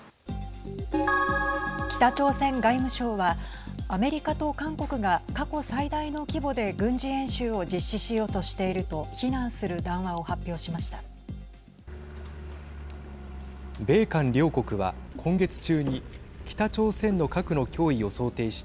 北朝鮮外務省はアメリカと韓国が過去最大の規模で軍事演習を実施しようとしていると非難する談話を発表しました。